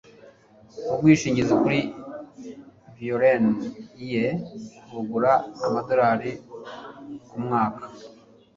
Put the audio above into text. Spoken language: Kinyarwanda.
Ubwishingizi kuri violon ye bugura amadorari kumwaka.